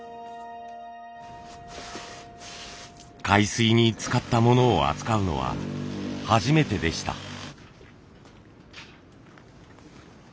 海水につかったものを扱うのは初めてでした。